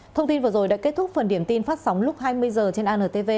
thông tin vừa rồi đã kết thúc phần điện thoại